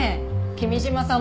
君嶋さん